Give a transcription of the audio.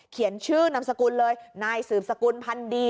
เขียนชื่อนามสกุลเลยนายสืบสกุลพันดี